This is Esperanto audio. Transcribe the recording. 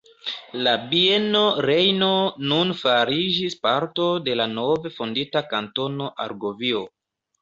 La Bieno Rejno nun fariĝis parto de la nove fondita Kantono Argovio.